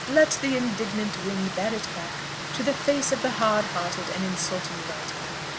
"Let the indignant wind bear it back to the face of the hard hearted and insulting writer!"